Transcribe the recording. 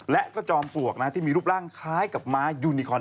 และก็จอมปลวกนะที่มีรูปร่างคล้ายกับม้ายูนิคอน